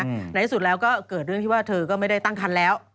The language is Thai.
ในที่สุดแล้วก็เกิดเรื่องที่ว่าเธอก็ไม่ได้ตั้งคันแล้ว